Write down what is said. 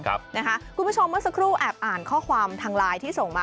คุณผู้ชมเมื่อสักครู่แอบอ่านข้อความทางไลน์ที่ส่งมา